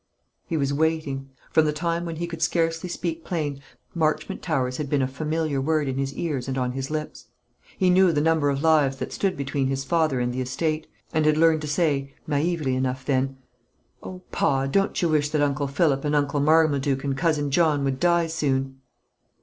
He was waiting. From the time when he could scarcely speak plain, Marchmont Towers had been a familiar word in his ears and on his lips. He knew the number of lives that stood between his father and the estate, and had learned to say, naïvely enough then, "O pa, don't you wish that Uncle Philip and Uncle Marmaduke and Cousin John would die soon?"